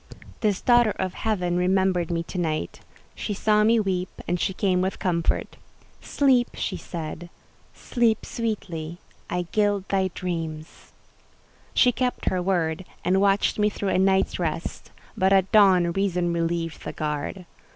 This daughter of Heaven remembered me to night; she saw me weep, and she came with comfort: "Sleep," she said. "Sleep, sweetly—I gild thy dreams!" She kept her word, and watched me through a night's rest; but at dawn Reason relieved the guard.